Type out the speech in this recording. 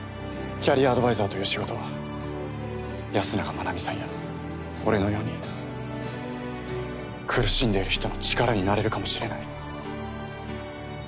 キャリアアドバイザーという仕事は安永真奈美さんや俺のように苦しんでいる人の力になれるかもしれない。